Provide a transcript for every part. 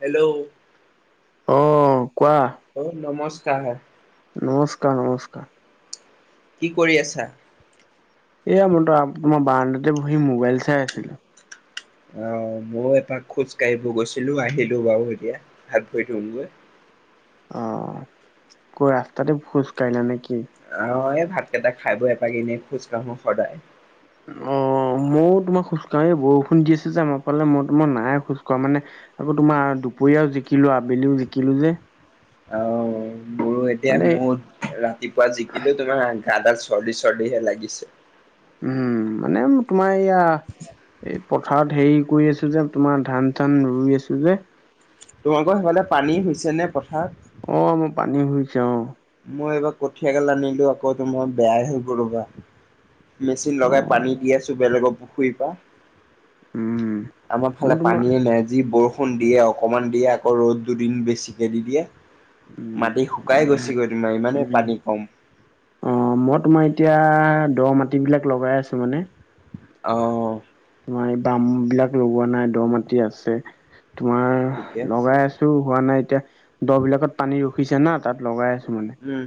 Hello, অ, কোৱা? অ, নমস্কাৰ। নমস্কাৰ-নমস্কাৰ। কি কৰি আছা? এয়া [unintelligible] মই বাৰণ্ডাতে বহি মোবাইল চাই আছিল আহ ময়ো এপাক খোজ কাঢ়িব গৈছিলো আহিলোঁ বাৰু এতিয়া হাত ভৰি ধুমগৈ। অ, ক'ৰাস্তাতে খোজ কাঢ়িলা নে কি? আহ, এই ভাতকেইটা খাই বই এপাক এনেই খোজ কাঢ়ো সদায়। [inaudible] অ, ময়ও তোমাক খোজ কাঢ়ি এই বৰষুণ দি আছে যে আমাৰ ফালে মই তোমাৰ নাই খোজ কঢ়া মানে আকৌ তোমাৰ দুপৰীয়াও জিকিলোঁ আবেলিওঁ জিকিলোঁ যে। আও মোৰো এতিয়া মানে মোড ৰাতিপুৱা জিকিলোঁ তোমাৰ গাডাল চৰ্দি- চৰ্দিহে লাগিছে। উম, মানে তোমাৰ এয়া এই পথাৰত হেৰি কৰি আছো যে তোমাৰ ধান- চান ৰুই আছো যে তোমালোকৰ সেইফালে পানী হৈছে নে পথাৰ? অ, মই পানী হুইচে অ, মই এইবাৰ কঠিয়া এগাল আনিলো আকৌ তোমাৰ বেয়াই হৈ গল ৰবা। মেচিন অ লগাই পানী দি আছো বেলেগৰ পুখুৰীৰ পা। উম আমাৰ মোৰ ফালে তোমাৰ পানীয়ে নাই যি বৰ ষুণ দিয়ে অকমান দিয়ে আকৌ ৰ'দ দুদিন বেছিকে দি দিয়ে মাটি শুকাই উম গৈছে। কি কয় তোমাৰ ইমানে উম পানী কম। অ, মই তোমাৰ এতিয়া দ' মাটিবিলাক লগাই আছো মানে। অ', তোমাৰ এই বামবিলাক লগোৱা নাই দ' মাটি আছে ঠিকে তোমাৰ আছে লগাই আছ টো হোৱা নাই এতিয়া দ' বিলাকত পানী ৰখিছে না তাত লগাই আছো মানে। উম,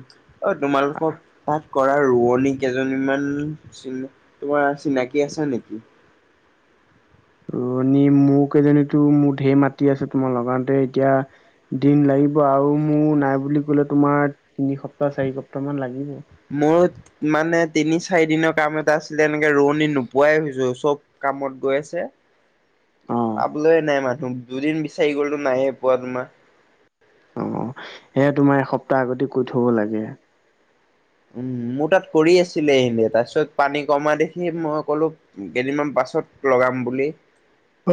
অ, তোমালোকক পাঠ কৰা ৰোৱনী কেইজনীমান চি তোমাৰ চিনাকি আছে নেকি? ৰুৱনী মোক কেইজনীতো মোৰ ঢেৰ মাতি আছে তোমাৰ লগাওঁতে এতিয়া দিন লাগিব আৰু মোৰ নাই বুলি ক'লে তোমাৰ তিনি সপ্তাহ, চাৰি সপ্তাহ মান লাগিব। মোত মানে তিনি, চাৰি দিনৰ কাম এটা আছিলে এনেকে ৰোৱনী নোপোৱাই হৈছো চব কামত গৈ আছে। অ', পাবলয়ে নাই মানুহ দুদিন বিচাৰি গ'লতো নাইয়ে পোৱা তোমাৰ। অ, সেয়া তোমাৰ এসপ্তাহ আগতে কৈ থব লাগে। উম, মোৰ তাত কৰি আছিলে এনে তাৰ পিছত পানী কমাই দেখি মই ক'লো কেইদিনমান পাছত লগাম বুলি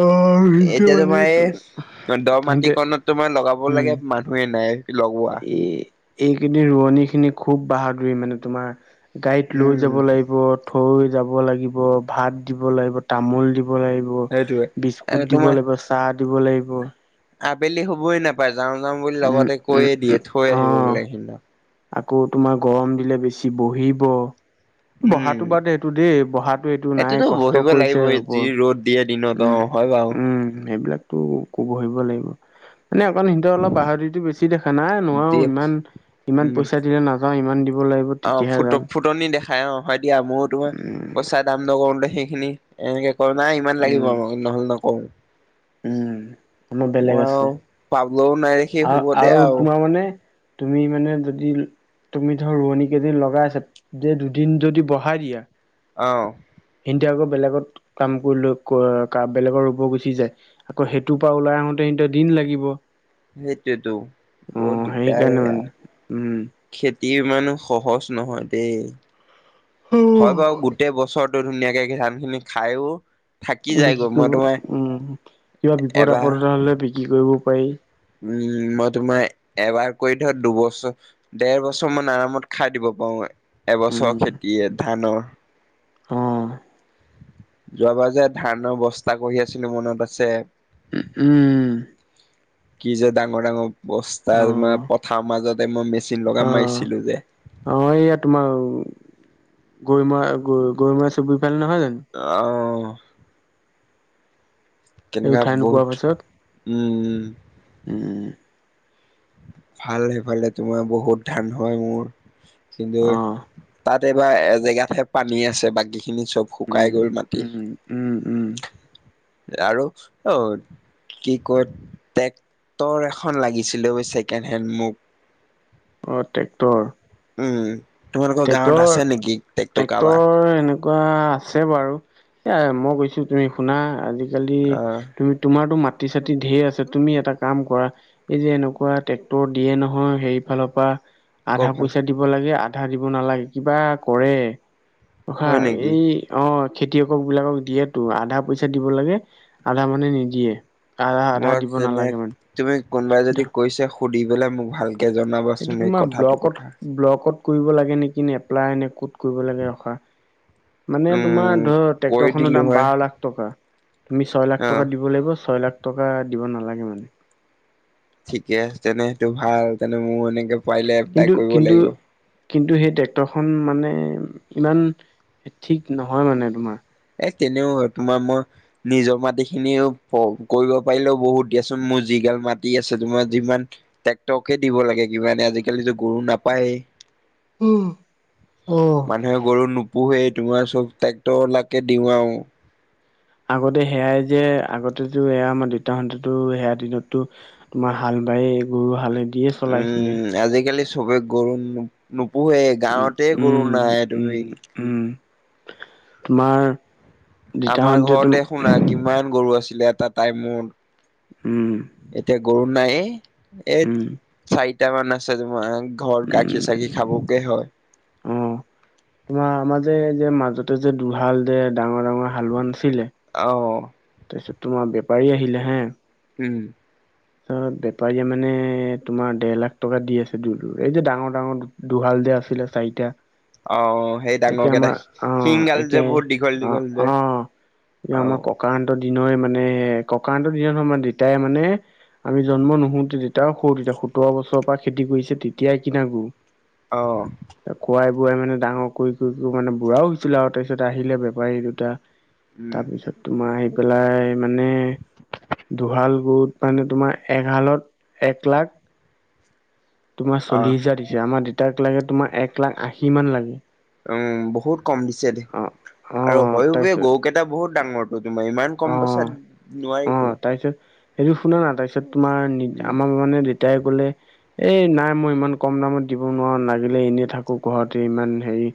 অ', সিহঁতে এতিয়া মানে তোমাৰ এ দ' সিহঁতে মাটিকণত তোমাৰ লগাব লাগে মান নুহে নাই। লগোৱা এ এইকেইদিন ৰোৱনী খিনি খুব বাহাদুৰি মানে তোমাৰ গাড়ীত লৈ উম যাব লাগিব থৈ যাব লাগিব, ভাত দিব লাগিব, তামোল দিব লাগিব ৰুৱ সেইটোৱে আৰু বিস্কুট দিব তোমাৰ লাগিব, চাহ দিব লাগিব আবেলি হবই নাপায় যাওঁ -যাওঁ বুলি উম লগতে উম কৈয়ে দিয়ে উম থৈ অ আহিব বোলে হিন্দক। আকৌ তোমাৰ গৰম দিলে বেছি বহিব। [inaudible] বহাটো বাদে এইটো দেই বহাটো এইটো নাই সেইটোতো কষ্ট বহিব কৰিছে লাগিবই হ'ব যি ৰ'দ দিয়ে দিনত উম, অ হয় বাৰু উম সেইবিলাকতো কবহিব লাগিব মানে অকণ সিহঁতে অলপ বাহাদুৰিতো বেছি দেখা নাই নোৱাৰো দিয়ে ইমান ইমান উম পইচা দিলে নাযাওঁ ইমান দিব লাগিব অ তেতিয়াহে ফুট যাম ফুটনি দেখাই অ হয় দিয়া মোৰো তোমাৰ উম পইচা দাম নকৰোতে সেইখিনি এনেকে কয় নাই ইমান উম লাগিব আমাক নহ'লে নকওঁ উম আমাৰ বেলেগ মই আছে পাবলৈও নাই দেখি আৰু হ'ব দে আৰু আৱ তোমাৰ মানে তুমি মানে যদি তুমি ধৰ ৰোৱনী কেইজনী লগাই আছা যে দুদিন যদি বঢ়াই দিয়া অ সিনতি আকৌ বেলেগত কাম কৰি লো আ বেলেগৰ ৰুব গুচি যায় আকৌ সেইটোৰ পৰা ওলাই আহোতে সিঁহতৰ দিন লাগিব সেইটোতো বহুত দিগদাৰ সেইকাৰণে মানে এয়া খেতি ইমানো সহজ নহয় দেই উম হয় বাও গোটেই বছৰটো ধুনীয়াকে ধান খিনি খায়ো থাকি বিক্ৰী যায়গৈ মই তোমাৰ কৰিব উম কিবা বিপদ এবাৰ আপদ এটা হলে বিক্ৰী কৰিব পাই উম মই তোমাৰ এবাৰ কৰি ধৰ দুবছৰ দেৰ বছৰ মান আৰামত খাই দিব পাওঁ এবছৰ উম খেতিয়ে ধানৰ অ যোৱাবাৰ যে ধানৰ বস্তা কৰি আছিলো মনত আছে উম উম কি যে ডাঙৰ ডাঙৰ বস্তা অ তোমাৰ পথাৰৰ মাজতে মই মেচিন অ লগা মাৰিছ ছিলোঁ যে অ ইয়াত তোমাৰ গৈমূৰা গৈমূৰা চুবুৰি ফালে নহয় জানো অ সেই কেনেকোৱা উঠাই নোপোৱাৰ বহুত উম উম উম উম ভাল সেইফালে তোমাৰ বহুত ধান হয় মোৰ কিন্তু অ তাত এইবা এ জেগাতহে পানী আছে বাকী খিনি চব শুকাই উম গল মাটি উম উম উম আৰু অ কি কয় টেক্টৰ এখন লাগিছিলে অৱশ্যে চেকেণ্ড হেণ্ড মোক অ ট্ৰেক্টৰ। উম তোমালোকৰ গাঁৱত ট্ৰেক্টৰ আছে নেকি ট্ৰেক্টৰ কাবাৰ। কুৱা আছে বাৰু এ মই গৈছো তুমি শুনা আজিকালি আহ তুমি তোমাৰতো মাটি চাতি ধেৰ আছে তুমি এটা কাম কৰা এই যে এনেকোৱা ট্ৰেক্টৰ দিয়ে নহয় সেইফালৰ পৰা ক আধা ভাল পইচা দিব লাগে আধা দিব নালাগে কিবা কৰে ৰখা হয় নেকি এই অ খেতিয়ক বিলাকক দিয়েতো আধা পইচা দিব লাগে আধা মানে নিদিয়ে আধা আধা মই দিব তেনে নালাগে মানে তুমি কোনোবাই যদি কৈছে সুধি পেলাই মোক ভালকে জনাবা এইটো তোমাৰ ব্লকত ব্লকত কৰিব লাগে নেকি নে এপ্লাই নে ক'ত কৰিব লাগে ৰখা মানে তোমাৰ উম ধৰ কৰি ট্ৰেক্টৰ খনৰ দিলো দাম হয় বাৰ লাখ টকা তুমি ছয় লাখ অ টকা দিব লাগিব ছয় লাখ টকা দিব নালাগে মানে। ঠিকে আছে নে সেইটো ভাল তেনে মোৰ এনেকে পাৰিলে এপ্লাই কিন্তু কৰিব কিন্তু, লাগিব কিন্তু সেই ট্ৰেক্টৰখন মানে ইমান ঠিক নহয় মানে তোমাৰ এ কেনেও অ তোমা মই নিজৰ মাটি খিনিও ক কৰিব পাৰিলও বহুত দিয়াচোন মোৰ যিগাল মাটি আছে তোমাৰ যিমান ট্ৰেক্টকে দিব লাগে কি মানে আজিকালিতো গৰু নাপায়েই। উহ! অ। নে গৰু নোপোহেই তোমাৰ চব ট্ৰেক্টৰলাকে দিও আও। আগতে সেয়াই যে আগতেতো এয়া আমাৰ দেতাহঁতেটো সেয়া দিনততো। তোমাৰ হাল বাইয়ে উম, আজিকালি চবে গৰু নো নোপোহে। উম গাঁৱতে গৰু উম নাই তুমি। উম উম, তোমাৰ আমাৰ দেতাহতে ঘৰতে তুম। শুনা কিমান গৰু আছিলে এটা টাইমত। উম। এতিয়া গৰু নাই এ উম এত চাৰিটা মান আছে জোমাৰ। ঘৰত গাখীৰ, উম চাখীৰ খাবকে হয়। অ তোমাৰ আমাৰ যে যে মাজতে যে দুহাল যে ডাঙৰ ডাঙৰ হালোৱা নাছিলে। অ'। তাৰপিছত তোমাৰ বেপাৰী আহিলে হে। উম। তাৰ বেপাৰীয়ে মানে তোমাৰ দেৰ লাখ টকা দি আছে দুলো এই যে ডাঙৰ ডাঙৰ দুহাল যে আছিলে চাৰিটা। অ'। সেই এতিয়া ডাঙৰকে এটা আমাৰ অ', শিং গাল একে যে বহুত দীঘল, অ', দীঘল যে অহ। দিনয়ে মানে ককাঁতৰ দিনত আমাৰ দেতাই মানে। আমি জন্ম নুহোতে তেতিয়াও সও তেতিয়া সোতৰ বছৰৰ পৰা খেতি কৰিছে তেতিয়াই কিনা অ'। খোৱাই বোৱাই মানে ডাঙৰ কৰি কৰি কৰি মানে বুঢ়াও হৈছিলে আও তাপিছত আহিলে বেপাৰী দুটা। উম, তাৰপিছত তোমাৰ আহি পেলাই মানে। দুহাল গ'ল ত' মানে তোমাৰ এহালত এক লাখ [inaudible] তোমাৰ আহ চল্লিশ হেজাৰ দিছে। আমাৰ দেউতাক লাগে তোমাৰ এক লাখ আশী মান লাগে। উম, বহুত কম দিছে দেই। অ', আৰু অ', হয়ো বে তাৰপিছত গৰু কেইটা বহুত ডাঙৰটো তোমাৰ ইমান কম পইচাত নোৱাৰিতো। তাপিছত। সেইটো শুনা না, তাৰপিছত তোমাৰ উম, আমাৰ মানে দেউতাই ক'লে। এই, নাই মই ইমান কম দামত দিব নোৱাৰো। লাগিলে এনেই থাকো ঘৰতে ইমান হেৰি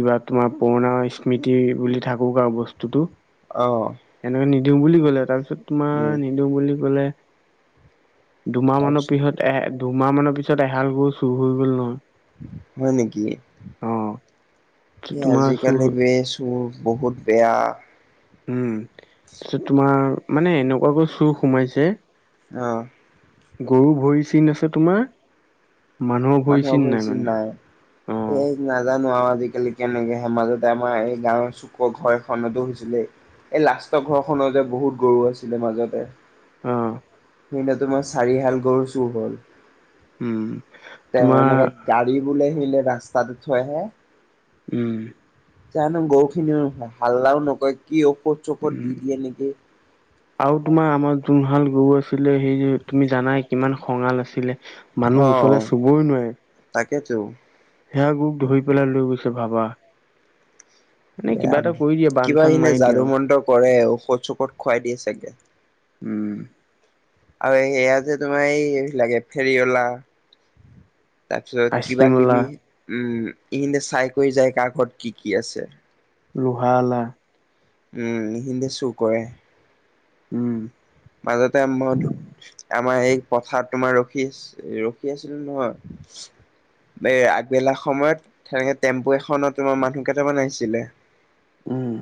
কিবা তোমাৰ পুৰণা স্মৃতি বুলি থাকো, আৰু বস্তুটো। অ'। এনেকে নিদিও বুলি কলে তাৰপিছত তোমাৰ উম, নিদিও বুলি ক'লে। দুমাহ মানৰ তাৰপিছত পিছত এ দুমাহ মানৰ পিছত এহাল গৰু চুৰ হৈ গ'ল নহয়। হয় নেকি, অ এই তোমাৰ চুৰ আজিকালি বেছ তোৰ বহুত বেয়া। উম, তাপিছত তোমাৰ মানে এনেকুৱাকৈ চুৰ সোমাইছে। অ'। গৰু ভৰি চিন আছে তোমাৰ, মানুহৰ ভৰি চিন নাই মানে। অ এই নাজানো আৰু আজিকালি কেনেকেহে মাজতে আমাৰ এই গাঁৱৰ চো ঘৰ এখনদো হৈছিলে। এই লাষ্টৰ ঘৰখনৰ যে বহুত গৰু আছিলে মাজতে। অ সেইনাতো মই চাৰিহাল গৰু চুৰ হ'ল। উম। তেওঁ, তোমাৰ এনেকে গাড়ী বোলে সে ৰাস্তাটো থৈ আহে। উম। জানো গৰু খিনিও হাল্লাও নকয়, কি ঔষধ-চৌষধ দি দিয়ে নেকি? আও তোমাৰ আমাৰ যোনহাল গৰু আছিলে সেই তুমি জানাই কিমান খঙাল আছিলে। মানুহ অ' ওচৰলৈ চুবই নোৱাৰে। তাকেতো। সেয়া গৰুক ধৰি পেলাই লৈ গৈছে ভাবা। মানে কিবা বেয়া, এটা কৰি দিয়ে বান কিবা চান মাৰি এনেই দিয়ে যাদু আৰু মন্ত কৰে ঔষধ - চৌষধ খুৱাই দিয়ে চাগে? উম। আৰু ই সেয়া যে তোমাৰ এই লাগে ফেৰঅলা। তাৰপিছত কিবা - আইচক্ৰীমৱালা কিবি, উম ইখিনতে চাই কৰি যায় কাৰ ঘৰত কি কি আছে? লোহাঅলা। ওম হিন্দে চুৰ কৰে। ওম। মাজতে মা দু আমাৰ এই পথাৰত তোমাৰ ৰখিচ ৰখি আছিলো নহয়? এই আগবেলা সময়ত। তেনেকে টেম্পু এখনত তোমাৰ মানুহকেইটামান আহিছিলে। উম।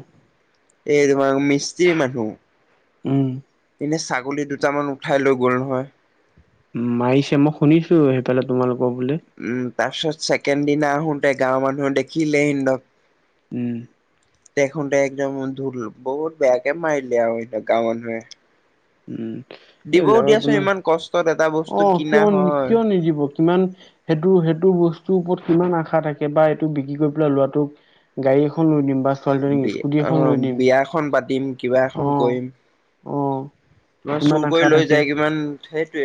এই‌ তোমাৰ মিস্ত্ৰী মানুহ। উম। এনে ছাগলী দুটামান উঠাই লৈ গ'ল নহয়? উম মাৰিছে, মই শুনিছো সেইফালে তোমালোকৰ বুলে? উম, তাৰ পিছত ছেকেণ্ড দিনা আহোতে গাঁৱৰ মানুহ দেখিলে হিহতক উম তেখন তে একদম ধুল বহুত বেয়াকে মাৰিলে আৰু গাৱৰ হৈ। উম। সেইবিলাক‌‌ একো দিয়াচোন নাই, ইমান কষ্টত এটা অ বস্তু কিনা কিয় হয়। কিয় নিদিব কিমান? সেইটো সেইটো বস্তুৰ ওপৰত কিমান আশা থাকে বা এইটো বিক্ৰী কৰি পেলাই লোৱাটোক গাড়ী এখন লৈ দিম বাছ বিয়া অ, বিয়া এখন পাতিম কিবা এখন অ কৰিম। অ তোমাৰ ইমান চুৰ আশা কৰি লৈ থাকে যায়, কিমান সেইটোয়ে।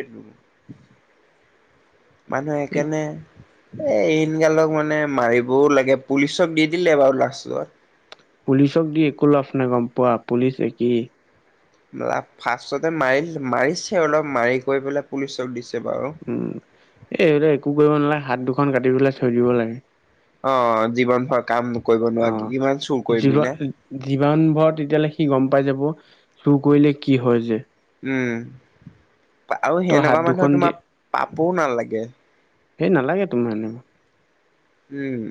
মানুহে এই সেইকাৰনে এ ইন গালক মানে মাৰি বৌ লাগে, পুলিচক দি দিলে বাৰু লাষ্টত। পুলিচক দি একো লাভ নাই, গম পোৱা পুলিচ একেই। বেলাক ফাচতটে মাৰিল মাৰিছে অলপ মাৰি কৰি পেলাই পুলিচক দিছে বাৰু। উম এই এইবিলাক একো কৰিব নালাগে হাত দুখন কাটি পেলায় অ জীৱন ভৰা কাম কৰিব নোৱাৰি কিমান চুৰ কৰিবি নে? জীৱান ভৰ তেতিয়াহ'লে সি গম পাই যাব চুৰ কৰিলে কি হয় যে? উম আৰু তই হাত সেনেকুৱা মানুহে দুখন দি তোমাৰ পাপও নালাগে। সেই নালাগে তোমাৰ এনে। উম।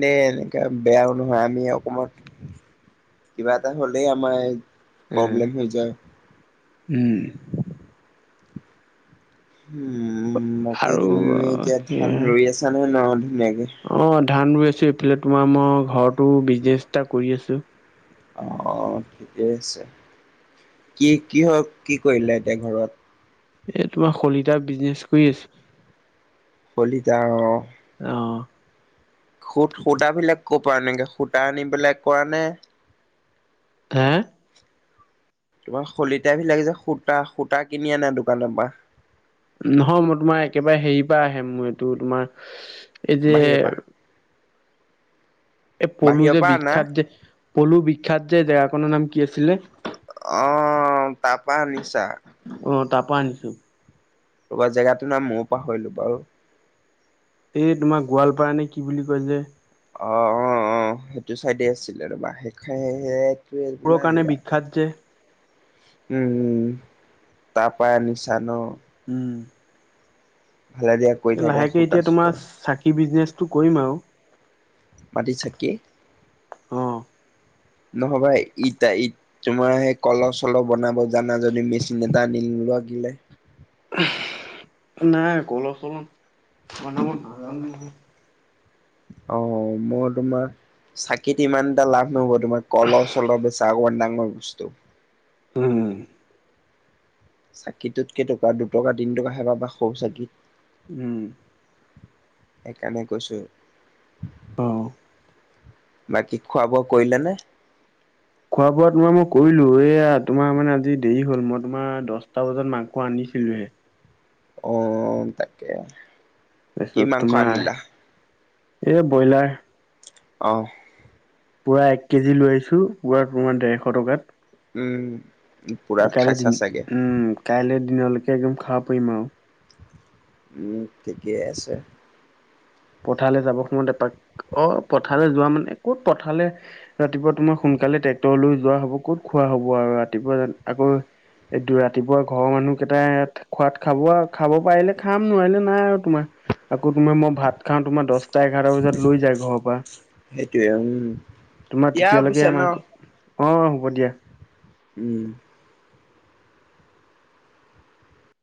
দেই এনেকা বেয়াও নহয় আমি অকণমান কিবা এটা হ'লেই আমাৰ এ উ উম। উম, বাকী আৰু তুমি এতিয়া ধান সেয়া ৰুই আছা নহয় ন ধুনীয়াকে? অ ধান ৰুই আছো এইফালে, তোমাৰ মই ঘৰতো বিজনেচ এটা কৰি আছো। অ ঠিকেই আছে, কি কি হয় কি কৰিলে এতিয়া ঘৰত? এ তোমাৰ শলিতাৰ বিজনেচ কৰি আছো। হলিতা অঁ। অ। সূত সূতাবিলাক কপা আনেগে সূতা আনিবেলে কৰা নে হে! তোমাৰ শলিতাবিলাকে যে সূতা - সূতা কিনি আনে দোকানৰ পৰা নহয় মই তোমাৰ একেবাৰে হেৰিৰ পৰা আহে মই এইটো তোমাৰ চু এই যে বাহিৰৰ পৰা এই পলু বাহিৰৰ যে পৰা আনা বিখ্যাত যে, পলু বিখ্যাত যে জেগাখনৰ নাম কি আছিলে? অ, তাৰপা আনিছা। অ, তাৰপৰা আনিছো। ক'বা জেগাটো নাম ময়ো পাহৰিলো বাৰু। এই তোমাৰ গোৱালপা নে কি বুলি কয় যে অ', অ', অ', সেইটো চাইডে আছিলে ৰবা শেষাই কি বোলা জেগা। খাদ্য। [unintelligible] উম-উম তাৰ পাই আনিছা ন। উম, ভালে দিয়ক। লাহেকে এতিয়া তোমাৰ চাকি বিজনেচটো কৰিম আউ। মাটিৰ চাকি। অ', নহবাই ইটা-ইট তোমাৰ সেই কলহ-চলহ বনাব জানা যদি মেচিন এটা আনি নোলোৱা কেলে। নাই কলহ-চলহ বনাব নোৱাৰা। অ, মই তোমাৰ চাকিত ইমান এটা লাভ নহ'ব, তোমাৰ কলহ চল বেচা অকণমান ডাঙৰ বস্তু। উম, চাকিটোত কেই টকা দুটকা, তিনি টকা হেবাব বা সৰু চাকি। উম, সেইকাৰণে কৈছো। অ', বাকী খোৱা বোৱা কৰিলে নে? খোৱা বোৱা তোমাৰ মই কৰিলো এয়া তোমাৰ মানে আজি দেৰি হল, মই তোমাৰ দহটা বজাত মাংস আনিছিলোহে। অ, তাকে। কি তাৰপিছত মাংস তোমাৰ আনিলা? এই ব্ৰইলাৰ অ', পুৰা এক কেজি লৈ আহিছো পুৰা তোমাৰ ডেৰশ টকাত। উম, পুৰা কাইলৈ খাইছা দিন চাগে? উম কাইলৈ দিনলৈকে একদম খাব পৰিম আৰু। উম, ঠিকেই আছে। পথাৰলৈ যাব সময়ত এপাক অ, পথাৰলৈ যোৱা মানে ক'ত পথাৰলে ৰাতিপুৱা তোমাৰ সোনকালে ট্ৰেক্টৰ লৈ যোৱা হ'ব, ক'ত খোৱা হ'ব আৰু ৰাতিপুৱা আকৌ এইটো ৰাতিপুৱা ঘৰৰ মানুহকেইটা ইয়াত খোৱাত খাব-খাব পাৰিলে খাম নোৱাৰিলে নাই আৰু তোমাৰ আকৌ তোমাৰ মই ভাত কাৰণ তোমাৰ দহটা এঘাৰটা বজাত লৈ যায় ঘৰ পা। সেইটোয়ে উম, দিয়া তেতিয়ালৈকে পিছে ন। আমাক অ, হ'ব দিয়া। উম,